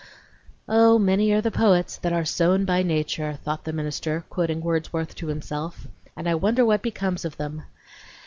"'Oh! many are the poets that are sown by nature,'" thought the minister, quoting Wordsworth to himself. "And I wonder what becomes of them!